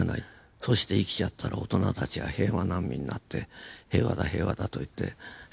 そして生きちゃったら大人たちが平和難民になって平和だ平和だと言ってスキップを踏んでる。